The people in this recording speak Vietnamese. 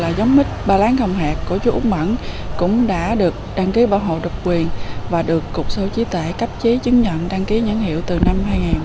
cái giống mít ba láng không hạt của chú úc mẫn cũng đã được đăng ký bảo hộ được quyền và được cục số chí tệ cấp chí chứng nhận đăng ký nhãn hiệu từ năm hai nghìn một mươi hai